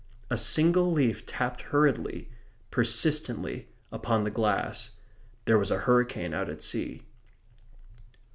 A single leaf tapped hurriedly, persistently, upon the glass. There was a hurricane out at sea.